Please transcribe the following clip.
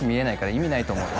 「意味ないと思うよ」